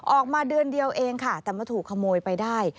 ออกมาเดือนเดียวเองค่ะแต่มาถูกขโมยไปได้